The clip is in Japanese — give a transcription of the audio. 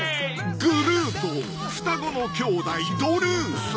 ［グルーと双子の兄弟ドルー］